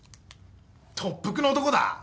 特服の男だぁ？